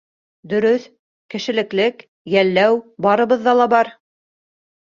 Дөрөҫ, кешелеклелек, йәлләү барыбыҙҙа ла бар.